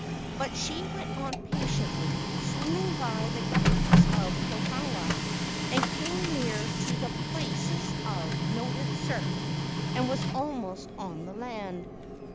But she went on patiently, swimming by the capes of Kohala, and came near to the places of noted surf and was almost on the land.